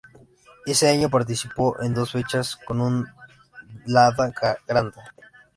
Ese año participó en dos fechas con un Lada Granta.